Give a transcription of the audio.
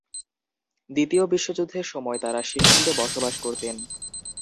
দ্বিতীয় বিশ্বযুদ্ধের সময় তারা শেফিল্ডে বসবাস করতেন।